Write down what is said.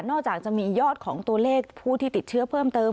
จากจะมียอดของตัวเลขผู้ที่ติดเชื้อเพิ่มเติม